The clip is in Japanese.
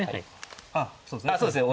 あそうですね。